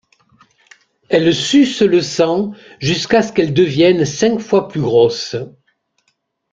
Elle suce le sang jusqu'à ce qu'elle devienne cinq fois plus grosse.